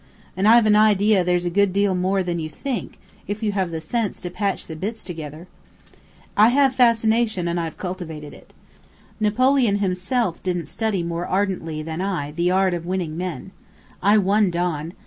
And I have an idea there's a good deal more than you think, if you have the sense to patch the bits together. "I have fascination, and I've cultivated it. Napoleon himself didn't study more ardently than I the art of winning men. I won Don.